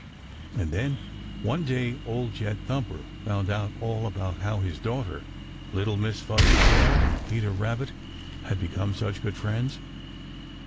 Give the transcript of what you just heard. And then one day Old Jed Thumper found out all about how his daughter, little Miss Fuzzytail, and Peter Rabbit had become such good friends.